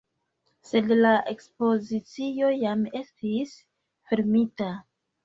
Sed la ekspozicio jam estis fermita.